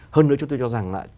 hơn nữa chúng tôi cho rằng là